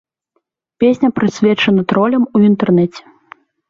Песня прысвечана тролям у інтэрнэце.